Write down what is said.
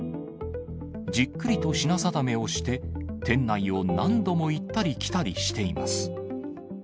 じっくりと品定めをして、店内を何度も行ったり来たりしています。